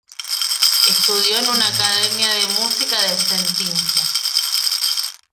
Estudió en una academia de música de Cetinje.